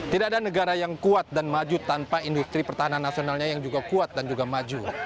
tidak ada negara yang kuat dan maju tanpa industri pertahanan nasionalnya yang juga kuat dan juga maju